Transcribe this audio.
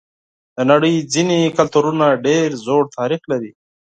د نړۍ ځینې کلتورونه ډېر زوړ تاریخ لري.